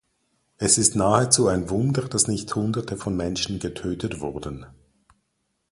Es ist nahezu ein Wunder, dass nicht Hunderte von Menschen getötet wurden.